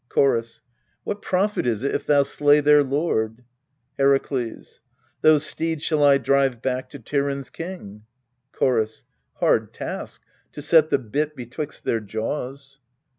Chorus. What profit is it if thou slay their lord ? Herakles. Those steeds shall I drive back to Tiryns' king. Chorus. Hard task, to set the bit betwixt their jaws.